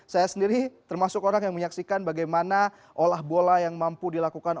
saya sendiri termasuk orang yang menyaksikan bagaimana olah bola yang mampu dilakukan